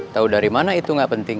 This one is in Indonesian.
tahu dari mana itu nggak penting